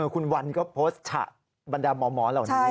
คุณวันก็โพสต์ฉะบรรดาหมอเหล่านี้